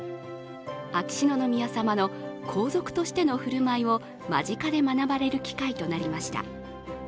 秋篠宮さまの皇族としての振る舞いを間近で学ばれる機会となりました。